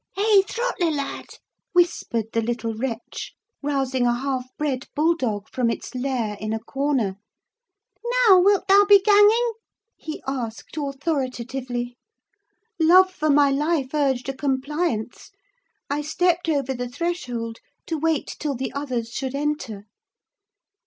"Hey, Throttler, lad!" whispered the little wretch, rousing a half bred bull dog from its lair in a corner. "Now, wilt thou be ganging?" he asked authoritatively. Love for my life urged a compliance; I stepped over the threshold to wait till the others should enter.